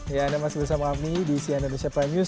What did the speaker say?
ya anda masih bersama kami di sian indonesia prime news